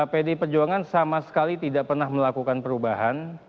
pdi perjuangan sama sekali tidak pernah melakukan perubahan